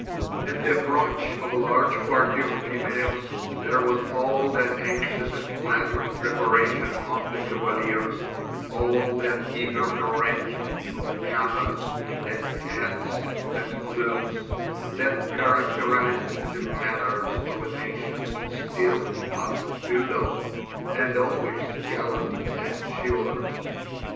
'At the approach of a large party of females, there was all that anxious and flattering preparation among the cavaliers,—all that eager arrangement of capas, and hats, and plumes,—that characterized the manners of a nation still half feudal, and always gallant and chivalrous.